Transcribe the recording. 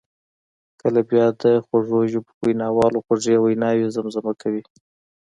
کله بیا د خوږ ژبو ویناوالو خوږې ویناوي زمزمه کوي.